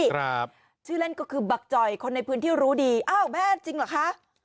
ครับชื่อเล่นก็คือบักจ่อยคนในพื้นที่รู้ดีอ้าวแม่จริงเหรอคะ